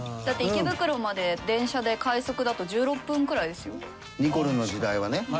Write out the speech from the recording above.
だって池袋まで電車で快速だと１６分くらいですよ。